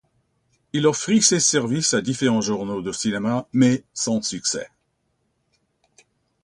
Il offrit ses services à différents journaux de cinéma mais sans succès.